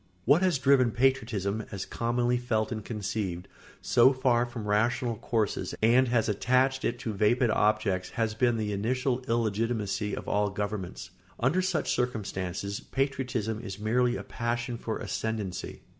] What has driven patriotism, as commonly felt and conceived, so far from rational courses and has attached it to vapid objects has been the initial illegitimacy of all governments. Under such circumstances, patriotism is merely a passion for ascendency.